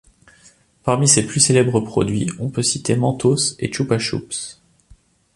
Parmi ses plus célèbres produits, on peut citer Mentos et Chupa Chups.